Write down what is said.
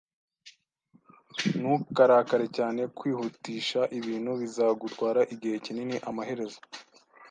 Ntukarakare cyane. Kwihutisha ibintu bizagutwara igihe kinini amaherezo.